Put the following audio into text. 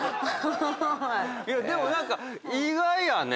でも何か意外やね。